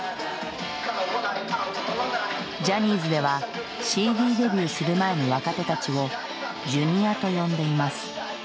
ジャニーズではＣＤデビューする前の若手たちを「Ｊｒ．」と呼んでいます。